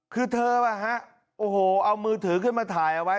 คือเธอโอ้โหเอามือถือขึ้นมาถ่ายเอาไว้